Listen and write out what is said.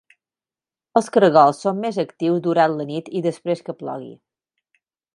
Els cargols són més actius durant la nit i després que plogui.